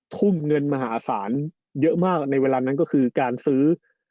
ทุ่มเงินมหาศาลเยอะมากในเวลานั้นก็คือการซื้อ